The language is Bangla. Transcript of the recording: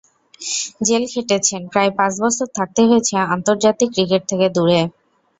জেল খেটেছেন, প্রায় পাঁচ বছর থাকতে হয়েছে আন্তর্জাতিক ক্রিকেট থেকে দূরে।